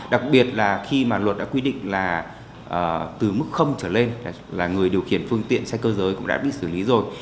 đặc biệt là khi mà luật đã quy định là từ mức trở lên là người điều khiển phương tiện xe cơ giới cũng đã bị xử lý rồi